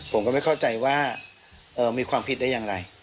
ผมก็ไม่เข้าใจว่ามีความผิดได้อย่างไร